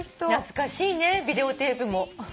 懐かしいねビデオテープも。